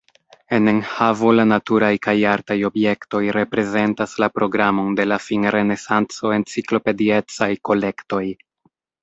En enhavo la naturaj kaj artaj objektoj reprezentas la programon de la finrenesanco-enciklopediecaj kolektoj.